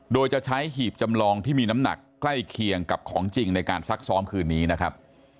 โดยจะใช้หีบจำลองที่มีน้ำหนักใกล้เคียงกับของจริงในการซักซ้อมคืนนี้นะครับ